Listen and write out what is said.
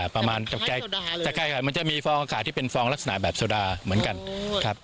ประมาณมันจะมีฟองอากาศที่เป็นฟองลักษณะแบบโซดาเหมือนกันครับ